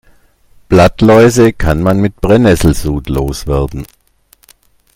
Blattläuse kann man mit Brennesselsud loswerden.